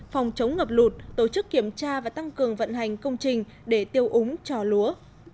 phòng chống ngập lụt tổ chức kiểm tra và tăng cường vận hành công trình để tiêu úng cho lúa